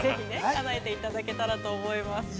かなえていただけたらと思います。